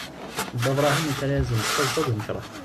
Dda Brahem yettara-yasen-d s taḍsa d unecraḥ.